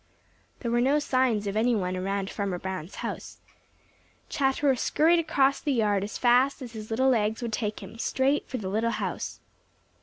There were no signs of any one around Farmer Brown's house. Chatterer scurried across the yard as fast as his little legs would take him straight for the little house.